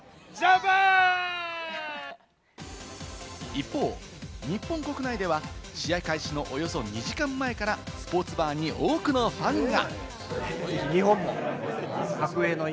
一方、日本国内では試合開始のおよそ２時間前からスポーツバーに多くのファンが。